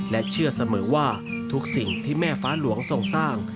และเชื่อเสมอว่าทุกสิ่งที่แม่ฟ้าหลวงทรงสร้าง